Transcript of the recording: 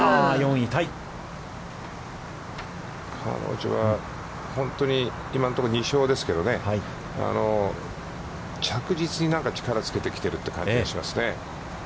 彼女は、本当に今のところ、２勝ですけどね、着実に力をつけてきているという感じがしますね。